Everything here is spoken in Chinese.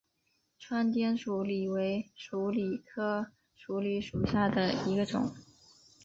川滇鼠李为鼠李科鼠李属下的一个种。